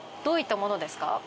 どういったものですか？